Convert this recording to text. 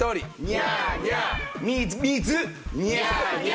ニャーニャー。